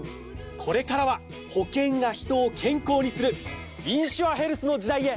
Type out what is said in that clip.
これからは保険が人を健康にするインシュアヘルスの時代へ！